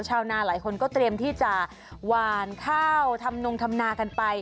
ชาวนาหลายคนก็เตรียมที่จะหวานข้าวทำนงทำนากันไป